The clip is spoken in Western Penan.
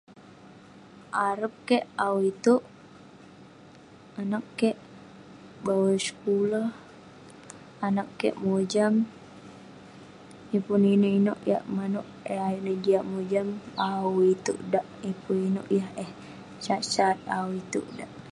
Arep kek awu itouk, anag kek bawai sekulah, anag kek mojam, yeng pun inouk yak manouk ayuk neh jiak mojam awu itouk dak, yeng inouk yah eh sat sat awu itouk dak.